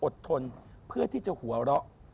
ทนเพื่อที่จะหัวเราะ